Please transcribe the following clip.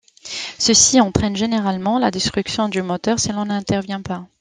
Ceci entraîne généralement la destruction du moteur si l'on n'intervient pas.